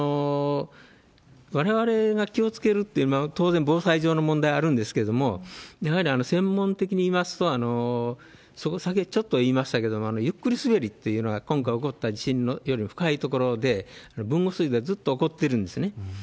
われわれが気をつけるっていう、当然防災上の問題あるんですけれども、やはり専門的にいいますと、そこさっきちょっと言いましたけど、ゆっくり滑りっていうのが今回起こった地震より深い所で、豊後水道でずっと起こってるんですね。